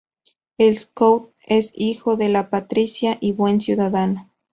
El Scout es hijo de la Patria y buen ciudadano.